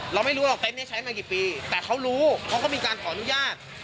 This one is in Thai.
เราไม่รู้หรอกเต็นต์นี้ใช้มากี่ปีแต่เขารู้เขาก็มีการขออนุญาต